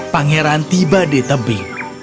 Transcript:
pangeran tiba di tebing